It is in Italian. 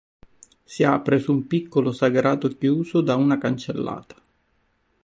Si apre su un piccolo sagrato chiuso da una cancellata.